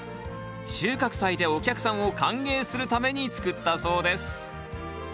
収穫祭でお客さんを歓迎するために作ったそうです